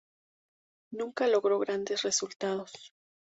Nunca logró grandes resultados.